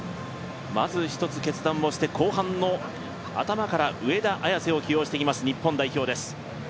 まず一つ決断をして後半の頭から上田綺世を起用する日本代表です。